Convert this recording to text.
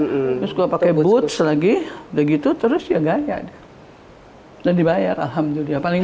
terus gue pakai boots lagi udah gitu terus ya gaya dan dibayar alhamdulillah paling